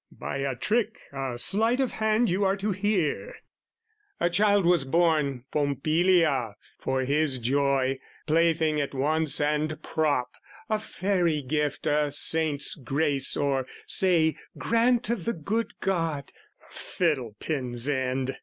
By a trick, a sleight of hand you are to hear, A child was born, Pompilia, for his joy, Plaything at once and prop, a fairy gift, A saints' grace or, say, grant of the good God, A fiddle pin's end!